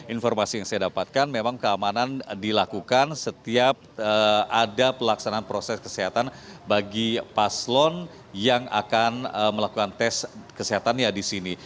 informasi yang saya dapatkan memang keamanan dilakukan setiap ada pelaksanaan proses kesehatan bagi paslon yang akan melakukan tes kesehatannya di sini